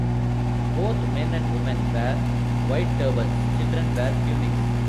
Both men and women wear white turbans; children wear tunics.